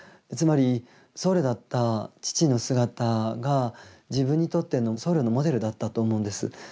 つまり僧侶だった父の姿が自分にとっての僧侶のモデルだったと思うんです。